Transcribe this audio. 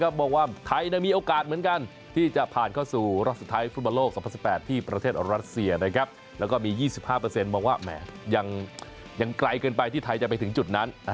แล้วก็มี๒๕เมื่อว่าแหมยังไกลเกินไปที่ไทยจะไปถึงจุดนั้น